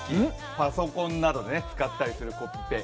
パソコンなどで使ったりするコピペ。